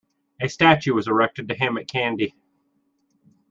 A statue was erected to him at Kandy.